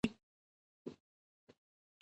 دا نه اولینه زلزله وه او نه به وروستۍ وي.